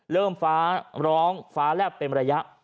เริ่มฟ้าร้องฟ้าและเป็นระยะ